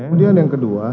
kemudian yang kedua